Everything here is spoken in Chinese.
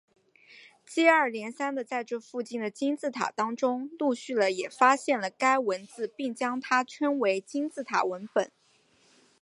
接二连三的在这附近的金字塔当中陆续了也发现了该文字并将它称为金字塔文本。